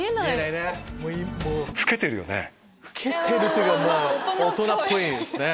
老けてるというよりは大人っぽいですね。